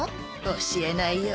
教えないよ。